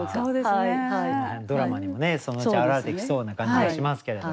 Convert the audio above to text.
その辺ドラマにもそのうち表れてきそうな感じもしますけれども。